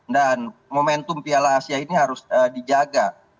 dan momentum piala asia ini harus dijaga